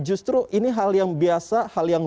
justru ini hal yang biasa hal yang